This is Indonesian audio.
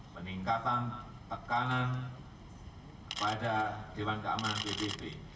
peningkatan tekanan pada dewan keamanan dpp